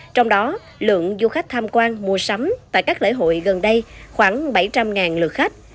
trong đó lượng du khách tham quan mua sắm tại các lễ hội gần đây khoảng bảy trăm linh lượt khách